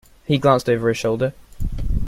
He glanced over his shoulder.